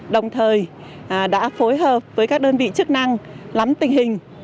đồng thời đã phối hợp với các đơn vị chức năng lắm tình hình